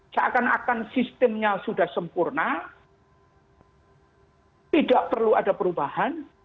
seakan akan sistemnya sudah sempurna tidak perlu ada perubahan